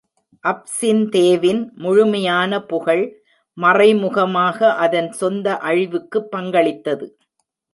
அப்சிந்தேவின் முழுமையான புகழ் மறைமுகமாக அதன் சொந்த அழிவுக்கு பங்களித்தது.